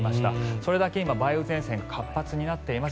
それだけ今、梅雨前線が活発になっています。